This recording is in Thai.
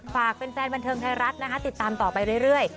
ฝากแฟนบันเทิงไทยรัฐนะคะติดตามต่อไปเรื่อย